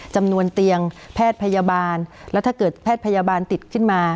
จำนวนเตียงแพทย์พยาบาลแล้วถ้าเกิดแพทย์พยาบาลติดขึ้นมา